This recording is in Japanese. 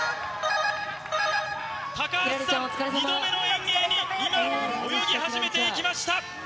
高橋さん、２度目の遠泳に、今、泳ぎ始めていきました。